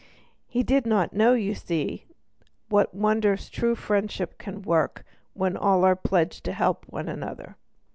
He did not know, you see, what wonders true friendship can work when all are pledged to help one another.